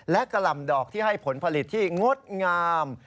และกะหล่ำดอกที่ให้ผลผลิตที่งดงาม